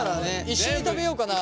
一緒に食べようかな。